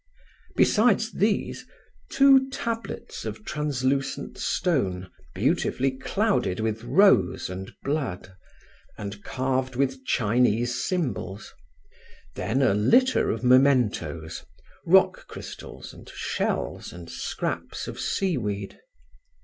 Besides these, two tablets of translucent stone beautifully clouded with rose and blood, and carved with Chinese symbols; then a litter of mementoes, rock crystals, and shells and scraps of seaweed.